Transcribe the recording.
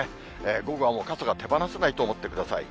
午後はもう傘が手放せないと思ってください。